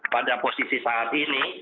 pada posisi saat ini